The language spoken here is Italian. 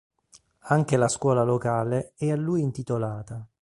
Anche la scuola locale è a lui intitolata.